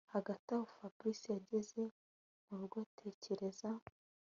Hagati aho Fabric yageze murugo atekerereza